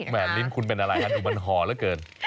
แหมลิ้นคุณเป็นอะไรดูมันหอแล้วเกิน